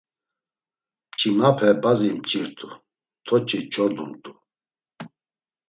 Mç̌imape bazi mç̌irt̆u; toç̌i ç̌ordumt̆u.